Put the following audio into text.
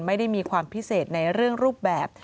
ไม่ได้มีความพิเศษในเรื่องรูปแบบ